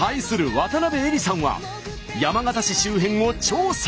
渡辺えりさんは山形市周辺を調査！